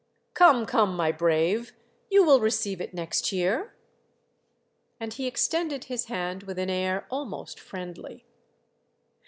" Come, come, my brave, you will receive it next year ;" and he extended his hand with an air almost friendly.